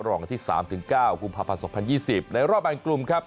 รองกันที่๓๙กุมภาพันธ์๒๐๒๐ในรอบแบ่งกลุ่มครับ